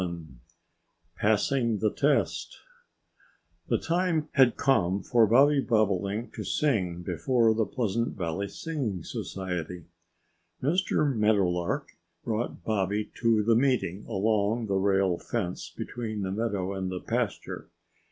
VII PASSING THE TEST THE time had come for Bobby Bobolink to sing before the Pleasant Valley Singing Society. Mr. Meadowlark brought Bobby to the meeting, along the rail fence between the meadow and the pasture.